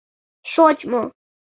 Шочмо.